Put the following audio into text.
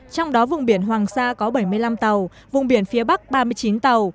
trong đó vùng biển hoàng sa có bảy mươi năm tàu vùng biển phía bắc ba mươi chín tàu